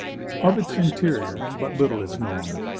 Of its interior, but little is known.